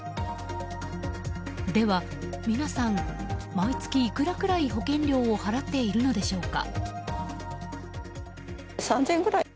では皆さん、毎月いくらくらい保険料を払っているのでしょうか。